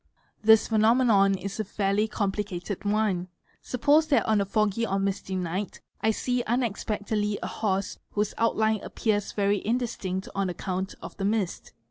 This phenomenon is a fairly complicated . one: suppose that on a foggy or misty night I see unexpectedly a horse _ whose outline appears very indistinct on account of the mist.